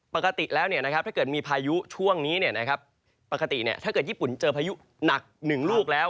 ปกติแล้วถ้าเกิดมีพายุช่วงนี้ปกติถ้าเกิดญี่ปุ่นเจอพายุหนัก๑ลูกแล้ว